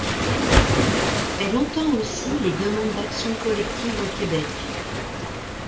Elle entend aussi les demandes d'action collective au Québec.